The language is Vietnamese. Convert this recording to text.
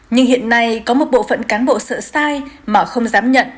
nhưng hiện nay có một bộ phận cán bộ sợ sai mà không dám nhận